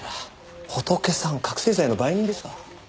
ホトケさん覚醒剤の売人ですか？